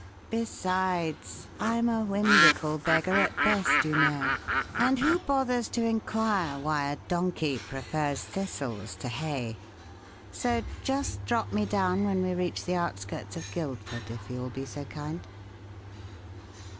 Besides, I'm a whimsical beggar at best, you know and who bothers to inquire why a donkey prefers thistles to hay? So just drop me down when we reach the outskirts of Guildford, if you will be so kind."